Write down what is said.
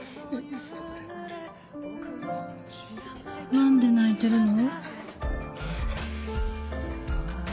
何で泣いてるの？